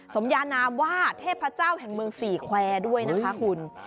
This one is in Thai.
สมยานามว่าเทพเจ้าแห่งเมืองสี่แควร์ด้วยนะคะคุณ